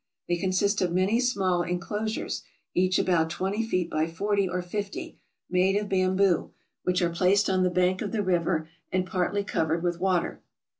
They consist of many small inclosures, each about twenty feet by forty or fifty, made of bamboo, which are placed on the bank of the river, and partly covered with water.